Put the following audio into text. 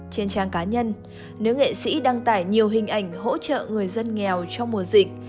trên trang cá nhân nữ nghệ sĩ đăng tải nhiều hình ảnh hỗ trợ người dân nghèo trong mùa dịch